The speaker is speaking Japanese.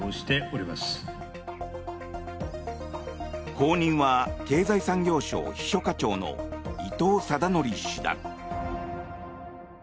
後任は経済産業省秘書課長の伊藤禎則氏だ。